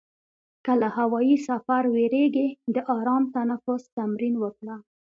که له هوایي سفر وېرېږې، د آرام تنفس تمرین وکړه.